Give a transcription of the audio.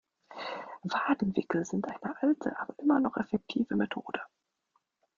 Wadenwickel sind eine alte aber immer noch effektive Methode.